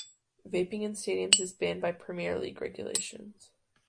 Vaping in stadiums is banned by Premier League regulations.